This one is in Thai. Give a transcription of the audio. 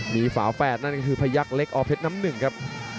มีฝาแฝดนั่นก็คือพยักษ์เล็กอเพชรน้ำหนึ่งครับ